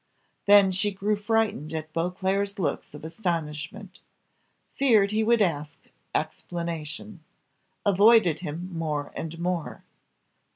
Then she grew frightened at Beauclerc's looks of astonishment feared he would ask explanation avoided him more and more.